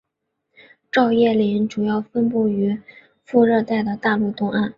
照叶林主要分布于副热带的大陆东岸。